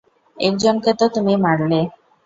একজনকে তো তুমি মারলে।